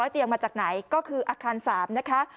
เตียงมาจากไหนก็คืออาคาร๓นะคะ